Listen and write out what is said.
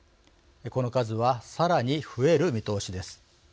この数はさらに増える見通しです。